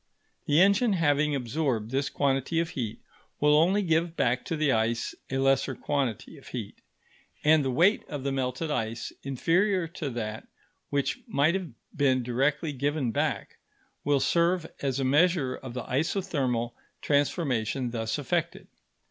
The engine having absorbed this quantity of heat, will only give back to the ice a lesser quantity of heat; and the weight of the melted ice, inferior to that which might have been directly given back, will serve as a measure of the isothermal transformation thus effected.